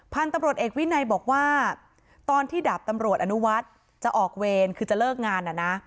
พันธุ์ตำรวจเอกวินัยบอกว่าตอนที่ดาบตำรวจอนุวัฒน์จะออกเวรคือจะเลิกงานนะ